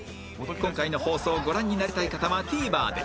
今回の放送をご覧になりたい方は ＴＶｅｒ で